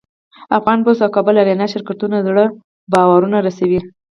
افغان پسټ او کابل اریانا شرکتونه زر بارونه رسوي.